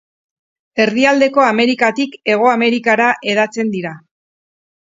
Erdialdeko Amerikatik Hego Amerikara hedatzen dira.